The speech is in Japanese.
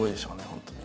本当に。